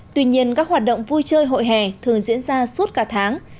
tuy nhiên các hoạt động vui chơi hội hè thường diễn ra suốt cả tháng